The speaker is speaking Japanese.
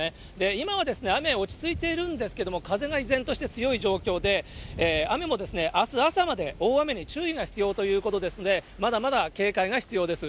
今は雨、落ち着いているんですけれども、風が依然として強い状況で、雨もあす朝まで大雨に注意が必要ということなので、まだまだ警戒が必要です。